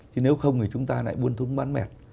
chứ nếu không thì chúng ta lại buôn thúng bán mẹt